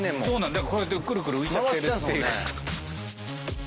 だからこうやってくるくる浮いちゃってる。